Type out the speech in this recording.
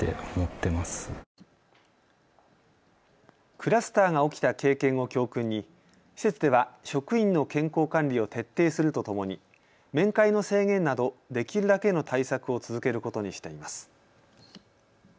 クラスターが起きた経験を教訓に施設では職員の健康管理を徹底するとともに面会の制限など、できるだけの対策を続けることにしています。